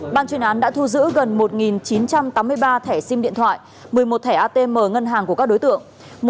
ban chuyên án đã thu giữ gần một chín trăm tám mươi ba thẻ sim điện thoại một mươi một thẻ atm ngân hàng của các đối tượng